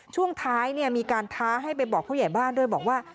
ช่วงท้ายมีการท้าให้ไปบอกผู้ใหญ่บ้านด้วยบอกว่า